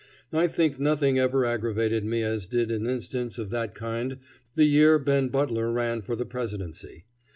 I think nothing ever aggravated me as did an instance of that kind the year Ben Butler ran for the Presidency.